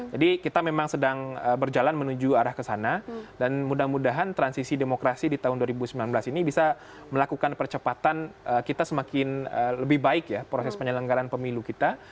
jadi kita memang sedang berjalan menuju arah kesana dan mudah mudahan transisi demokrasi di tahun dua ribu sembilan belas ini bisa melakukan percepatan kita semakin lebih baik ya proses penyelenggaraan pemilu kita